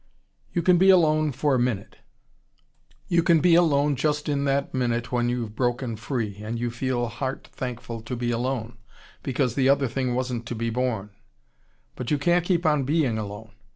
"You can be alone for a minute. You can be alone just in that minute when you've broken free, and you feel heart thankful to be alone, because the other thing wasn't to be borne. But you can't keep on being alone.